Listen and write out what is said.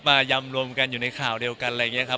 ยำรวมกันอยู่ในข่าวเดียวกันอะไรอย่างนี้ครับ